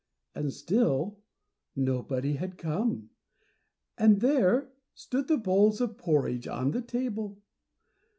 And still nobody had come, and there stood the bowls of porridge on the table.